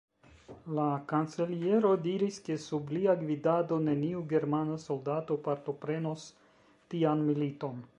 La kanceliero diris, ke sub lia gvidado neniu germana soldato partoprenos tian militon.